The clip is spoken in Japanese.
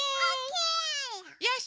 よし！